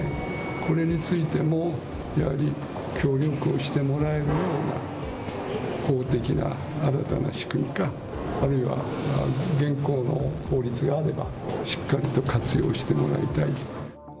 これについてもやはり協力をしてもらえるような法的な新たな仕組みか、あるいは現行の法律があればしっかりと活用してもらいたい。